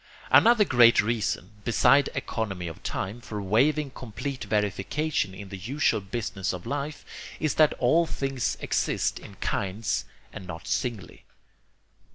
Another great reason beside economy of time for waiving complete verification in the usual business of life is that all things exist in kinds and not singly.